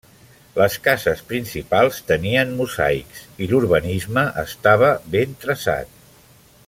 Les cases principals tenien mosaics i l'urbanisme estava ben traçat.